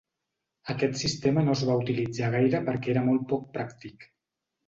Aquest sistema no es va utilitzar gaire perquè era molt poc pràctic.